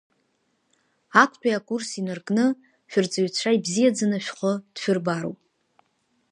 Актәи акурс инаркны, шәырҵаҩцәа ибзиаӡаны шәхы дшәырбароуп.